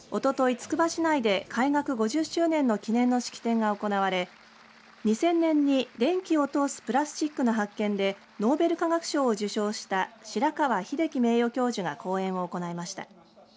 つくば市内で開学５０周年の記念の式典が行われ２０００年に電気を通すプラスチックの発見でノーベル化学賞を受賞した白川英樹名誉教授が講演を行いました。